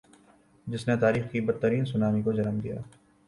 جس نی تاریخ کی بدترین سونامی کو جنم دیا تھا۔